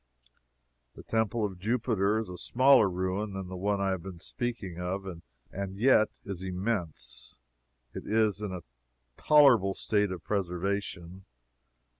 The Temple of Jupiter is a smaller ruin than the one I have been speaking of, and yet is immense. It is in a tolerable state of preservation.